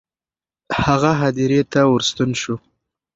هغه هدیرې ته ورستون شو.